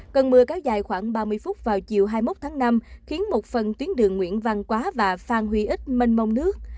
cơn mưa kéo dài khoảng ba mươi phút vào chiều hai mươi một tháng năm khiến một phần tuyến đường nguyễn văn quá và phan huy ích mênh mông nước